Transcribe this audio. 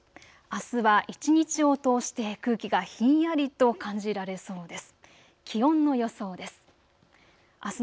あすは一日を通して空気がひんやりと感じられそうです。